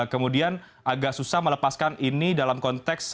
kemudian agak susah melepaskan ini dalam konteks